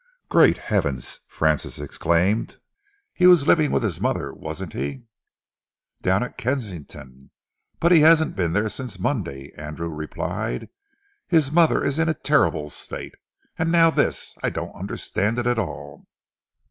"Great heavens!" Francis exclaimed. "He was living with his mother, wasn't he?" "Down at Kensington, but he hasn't been there since Monday," Andrew replied. "His mother is in a terrible state. And now this, I don't understand it at all."